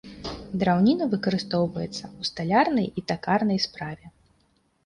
Драўніна выкарыстоўваецца ў сталярнай і такарнай справе.